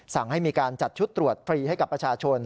สั่งให้มีการจัดชุดตรวจฟรีให้กับประชาชน